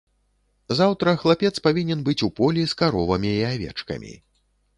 Заўтра хлапец павінен быць у полі з каровамі і авечкамі.